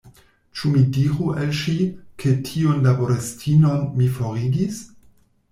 Ĉu mi diru al ŝi, ke tiun laboristinon mi forigis?